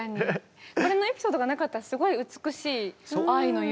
これのエピソードがなかったらすごい美しい「愛の夢」